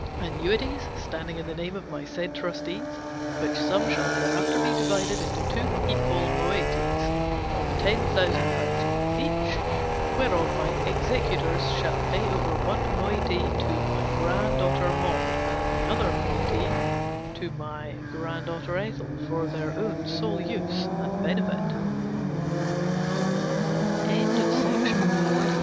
Annuities, standing in the name of my said trustees, which sum shall thereafter be divided into two equal moieties of ten thousand pounds each, whereof my executors shall pay over one moiety to my grand daughter Maud, and the other moiety to my grand daughter Ethel, for their own sole use and